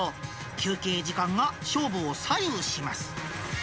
休憩時間が勝負を左右します。